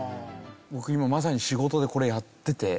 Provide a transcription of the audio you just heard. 僕今まさに仕事でこれやってて。